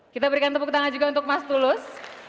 kita berikan tepuk tangan juga untuk mas tulus